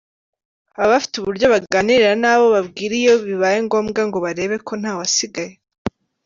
Baba bafite uburyo baganira n’abo babwira iyo bibaye ngombwa ngo barebe ko ntawasigaye.